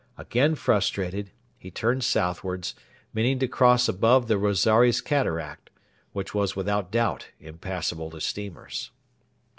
Again frustrated, he turned southwards, meaning to cross above the Rosaires Cataract, which was without doubt impassable to steamers.